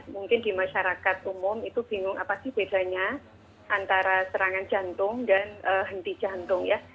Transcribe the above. mungkin di masyarakat umum itu bingung apa sih bedanya antara serangan jantung dan henti jantung ya